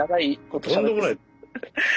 とんでもない。